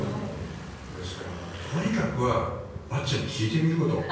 ですから、とにかくバッチャに聞いてみること。